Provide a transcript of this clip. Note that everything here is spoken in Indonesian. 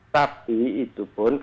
tapi itu pun